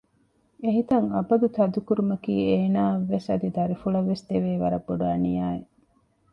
އެހިތަށް އަބަދު ތަދުކުރުމަކީ އޭނައަށްވެސް އަދި ދަރިފުޅަށްވެސް ދެވޭ ވަރަށް ބޮޑު އަނިޔާއެއް